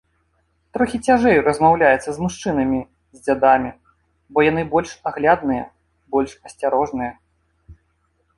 Трохі цяжэй размаўляецца з мужчынамі, з дзядамі, бо яны больш аглядныя, больш асцярожныя.